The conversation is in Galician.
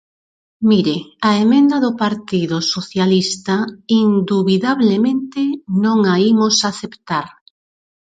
Mire, a emenda do Partido Socialista, indubidablemente, non a imos aceptar.